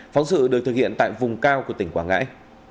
phóng sự được thực hiện tại vùng cao của tỉnh quảng ngãi